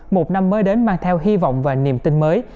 một năm mới đến mang theo hy vọng và niềm tin mới